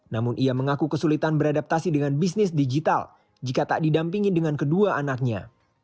namun ia mengaku kesulitan beradaptasi dengan bisnis digital jika tak didampingi dengan kedua anaknya